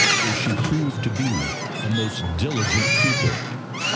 where she proved to be a most diligent pupil.